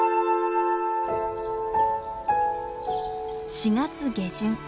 ４月下旬。